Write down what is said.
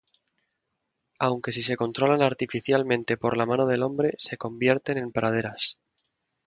Aunque si se controlan artificialmente por la mano del hombre, se convierten en praderas.